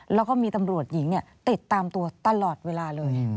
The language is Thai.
แล้วก็มีตำรวจหญิงติดตามตัวตลอดเวลาเลย